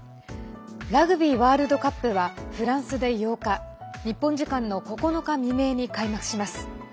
ラグビーワールドカップはフランスで８日日本時間の９日未明に開幕します。